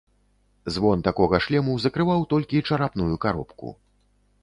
Звон такога шлему закрываў толькі чарапную каробку.